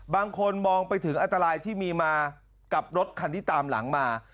บางคนมองไปถึงอันตรายที่มีมากับรถคันที่ตามหลังมา